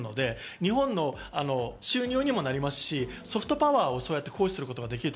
日本の収入にもなりますし、ソフトパワーをおそらく行使することができる。